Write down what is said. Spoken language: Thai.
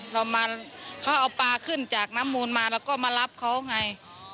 เราเอาปลาขึ้นจากน้ำมูลมาแล้วก็มารับเขาไง